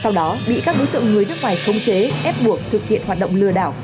sau đó bị các đối tượng người nước ngoài khống chế ép buộc thực hiện hoạt động lừa đảo